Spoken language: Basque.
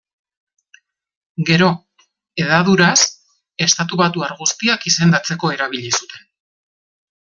Gero, hedaduraz, estatubatuar guztiak izendatzeko erabili zuten.